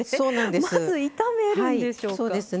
まず炒めるんでしょうか。